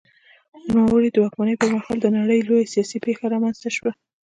د نوموړي د واکمنۍ پر مهال د نړۍ لویه سیاسي پېښه رامنځته شوه.